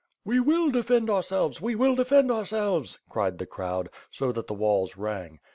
"We will defend ourselves! We will defend ourselves!" cried the crowd, so that the walls rang.